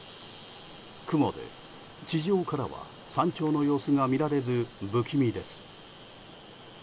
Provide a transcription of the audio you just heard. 雲で地上からは山頂の様子が見られず不気味です。